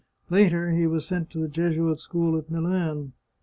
Later he was sent to the Jesuit school at Milan.